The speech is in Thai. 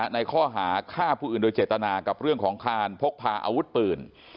ในข้อหาฆ่าผู้อื่นโดยเจตนากับเรื่องของคารพกพาอาวุธปืน